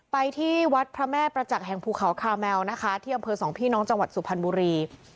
ไปที่วัดพระแม่ประจักษ์แห่งภูเขาคาแมวนะคะที่อำเภอสองพี่น้องจังหวัดสุพรรณบุรี